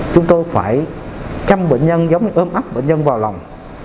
chúng tôi phải chăm bệnh nhân giống như ươm ấp bệnh nhân vào lòng